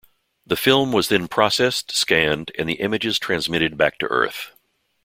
The film was then processed, scanned, and the images transmitted back to Earth.